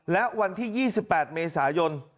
และวันที่๒๘เมษายน